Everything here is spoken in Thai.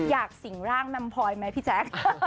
อยากสิงร่างน้ำพอยไหมพี่แจ็ค